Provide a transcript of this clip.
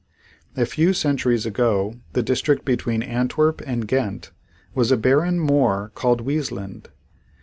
A few centuries ago the district between Antwerp and Ghent was a barren moor called Weasland.